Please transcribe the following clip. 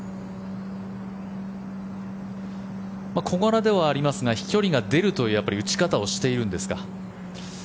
小柄ではありますが飛距離が出るという打ち方をしているんですか。